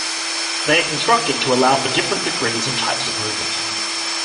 They are constructed to allow for different degrees and types of movement.